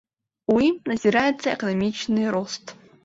У ім назіраецца эканамічны рост.